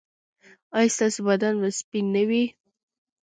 ایا ستاسو لباس به سپین نه وي؟